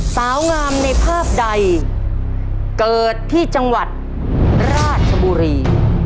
สาวงามในภาพใดเกิดที่จังหวัดราชบุรี